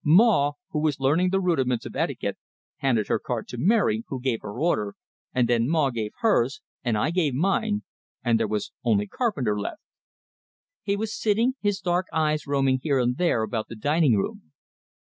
Maw, who was learning the rudiments of etiquette, handed her card to Mary, who gave her order, and then Maw gave hers, and I gave mine, and there was only Carpenter left. He was sitting, his dark eyes roaming here and there about the dining room.